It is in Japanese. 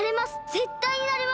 ぜったいなれます！